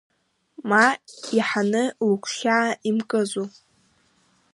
Ма иаҳаны лгәхьаа имкызу?